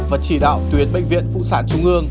và chỉ đạo tuyến bệnh viện phụ sản trung ương